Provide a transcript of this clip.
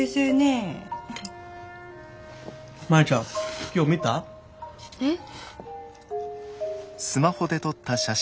マヤちゃん今日見た？えっ？